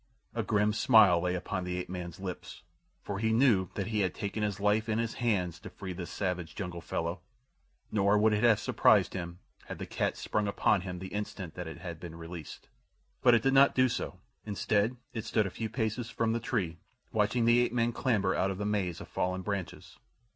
A grim smile lay upon the ape man's lips, for he knew that he had taken his life in his hands to free this savage jungle fellow; nor would it have surprised him had the cat sprung upon him the instant that it had been released. But it did not do so. Instead, it stood a few paces from the tree watching the ape man clamber out of the maze of fallen branches.